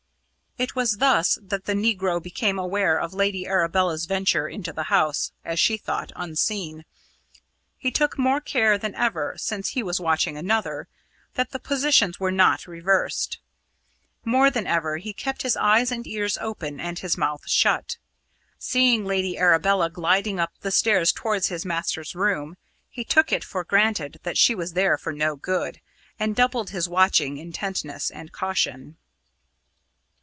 It was thus that the negro became aware of Lady Arabella's venture into the house, as she thought, unseen. He took more care than ever, since he was watching another, that the positions were not reversed. More than ever he kept his eyes and ears open and his mouth shut. Seeing Lady Arabella gliding up the stairs towards his master's room, he took it for granted that she was there for no good, and doubled his watching intentness and caution.